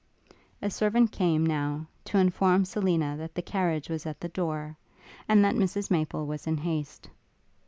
A servant came, now, to inform Selina that the carriage was at the door, and that Mrs Maple was in haste.